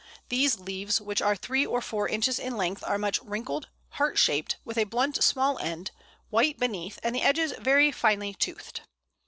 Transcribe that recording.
These leaves, which are three or four inches in length, are much wrinkled, heart shaped, with a blunt, small end, white beneath, and the edges very finely toothed.